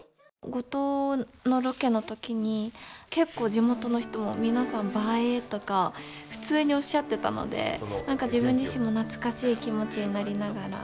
五島のロケの時に結構地元の人も皆さんばえーとか普通におっしゃってたので何か自分自身も懐かしい気持ちになりながら。